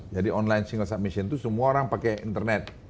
jadi online single submission itu semua orang pakai internet